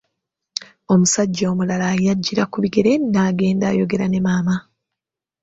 Omusajja omulala yajjira ku bigere n'agenda ayogera ne maama.